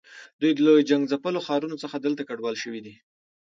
دوی له جنګ ځپلو ښارونو څخه دلته کډوال شوي دي.